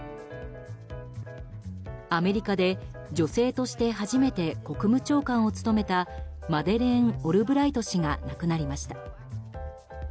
アメリカで、女性として初めて国務長官を務めたマデレーン・オルブライト氏が亡くなりました。